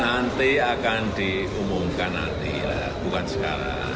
nanti akan diumumkan nanti ya bukan sekarang